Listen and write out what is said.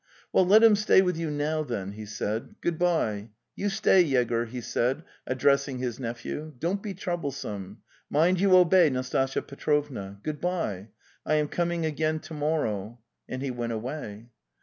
"Well, let him stay with you now, then," he said. 'Good bye! You stay, Yegor!'' he said, addressing his nephew. '' Don't be troublesome; mind you obey Nastasya Petrovna. ... Good bye; I am coming again to morrow." And he went away.